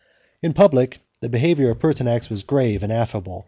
In public, the behavior of Pertinax was grave and affable.